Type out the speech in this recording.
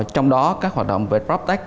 trong đó các hoạt động về proctech